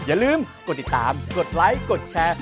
อย่าลืมกดติดตามกดไลค์กดแชร์